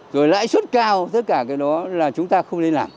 rồi lãi suất cao tất cả cái đó là chúng ta không nên làm